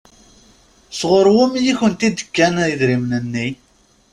Sɣur wumi i kent-d-kan idrimen-nni?